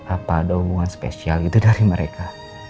apa ada hubungan spesial itu dari mereka